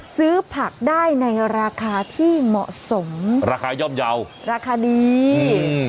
ซื้อผักได้ในราคาที่เหมาะสมราคาย่อมเยาว์ราคาดีอืม